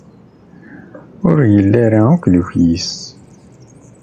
Ur yelli ara akk d ukyis.